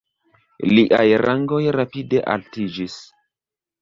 Liaj rangoj rapide altiĝis.